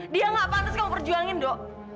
dia nggak pantas kamu perjuangin do